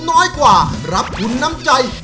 โดยการแข่งขาวของทีมเด็กเสียงดีจำนวนสองทีม